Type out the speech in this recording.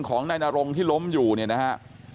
ของนายนรงที่ล้มอยู่เนี่ยนะฮะ